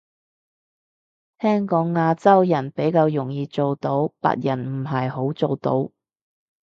聽講亞洲人比較容易做到，白人唔係好做到